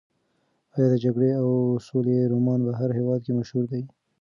ایا د جګړې او سولې رومان په هر هېواد کې مشهور دی؟